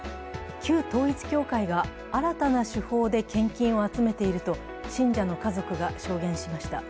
旧統一教会が新たな手法で献金を集めていると信者の家族が証言しました。